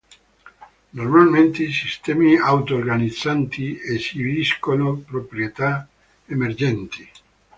Normalmente, i sistemi auto-organizzanti esibiscono proprietà emergenti.